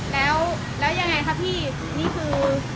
แล้วยังไงคะพี่นี่คือ